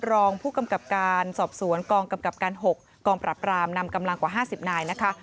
รองผู้กำกับการสอบสวนกองกำกับการ๖กองปรับรามนำกำลังกว่า๕๐นายนะคะ